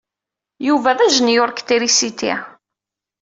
Yuba d ajenyuṛ deg trisiti.